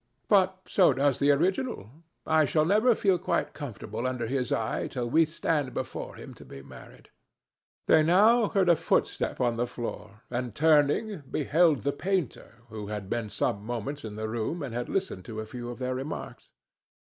But so does the original. I shall never feel quite comfortable under his eye till we stand before him to be married." They now heard a footstep on the floor, and, turning, beheld the painter, who had been some moments in the room and had listened to a few of their remarks.